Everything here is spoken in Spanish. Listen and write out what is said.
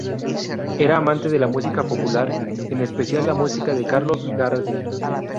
Era amante de la música popular; en especial la música de Carlos Gardel.